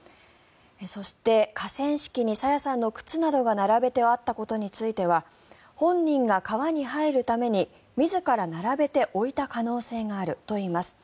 そして、河川敷に朝芽さんの靴などが並べてあったことについては本人が川に入るために自ら並べて置いた可能性があるといいます。